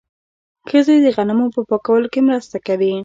ښځې د غنمو په پاکولو کې مرسته کوي.